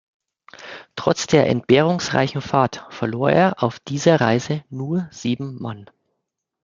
Trotz der entbehrungsreichen Fahrt verlor er auf dieser Reise nur sieben Mann.